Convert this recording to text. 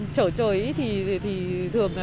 trở trời thì thường là